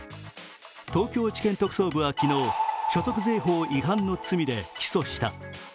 東京地検特捜部は昨日、所得税法違反の罪で起訴した。